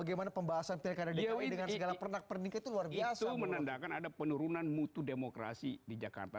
itu menandakan ada penurunan mutu demokrasi di jakarta